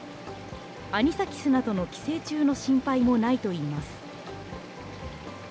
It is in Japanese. アニサキスなどの寄生虫の心配もないといいます。